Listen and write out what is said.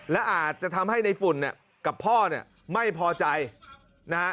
และอาจจะทำให้ในฝุ่นเนี่ยกับพ่อเนี่ยไม่พอใจนะฮะ